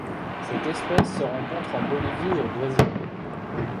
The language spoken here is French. Cette espèce se rencontre en Bolivie et au Brésil.